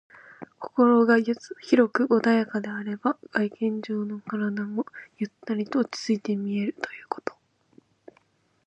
心が広く穏やかであれば、外見上の体もゆったりと落ち着いて見えるということ。